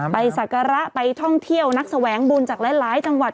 ศักระไปท่องเที่ยวนักแสวงบุญจากหลายจังหวัด